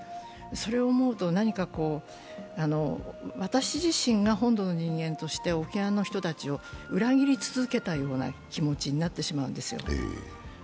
それを思うと、何か私自身が本土の人間として沖縄の人たちを裏切り続けたような気持ちになってしまうんですよ。